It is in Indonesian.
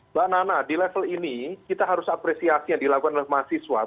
mbak nana di level ini kita harus apresiasi yang dilakukan oleh mahasiswa